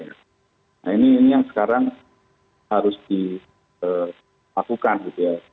nah ini yang sekarang harus dilakukan gitu ya